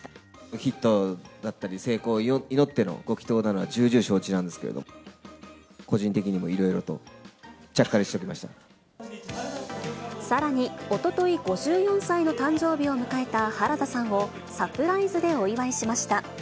ヒットだったり、成功を祈ってのご祈とうなのは重々承知なんですけど、個人的にもいろいろと、さらに、おととい５４歳の誕生日を迎えた原田さんを、サプライズでお祝いしました。